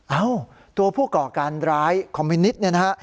เอ้าตัวผู้ก่อการร้ายคอมมิวนิตเนี่ยนะฮะ